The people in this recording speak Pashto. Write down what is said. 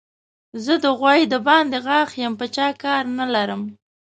زه د غوايي د باندې غاښ يم؛ په چا کار نه لرم.